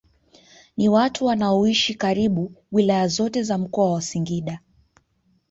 Ni watu wanaoishi karibu wilaya zote za mkoa wa Singida